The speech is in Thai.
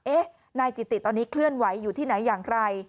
นายจิติตอนนี้เคลื่อนไหวอยู่ที่ไหนอย่างไร